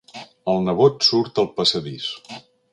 El nebot surt al passadís.